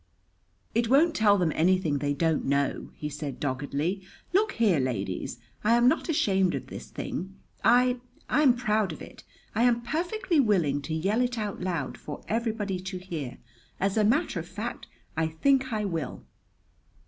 "It won't tell them anything they don't know," he said doggedly. "Look here, ladies: I am not ashamed of this thing. I I am proud of it. I am perfectly willing to yell it out loud for everybody to hear. As a matter of fact, I think I will."